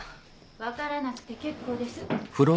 ・分からなくて結構です。